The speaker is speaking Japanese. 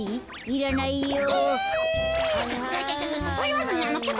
いらないよ。